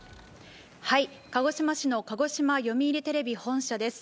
鹿児島市の鹿児島読売テレビ本社です。